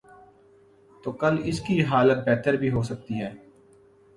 تو کل اس کی حالت بہتر بھی ہو سکتی ہے۔